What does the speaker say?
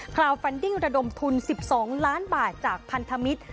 คราวฟันดิ้งระดมทุน๑๒ล้านบาทจากพันธมิตร